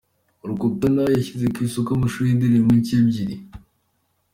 Rukotana yashyize ku isoko amashusho yindirimbo nshya ebyiri